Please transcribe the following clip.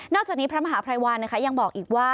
จากนี้พระมหาภัยวันนะคะยังบอกอีกว่า